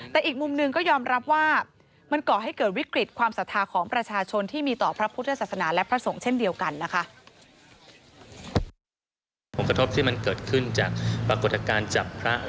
แต่อีกมุมหนึ่งก็ยอมรับว่ามันก่อให้เกิดวิกฤตความศรัทธาของประชาชนที่มีต่อพระพุทธศาสนาและพระสงฆ์เช่นเดียวกันนะคะ